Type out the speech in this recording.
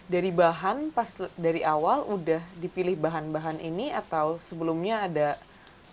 dari bahan dari awal udah dipilih bahan bahan ini atau sebelumnya ada pilihan lain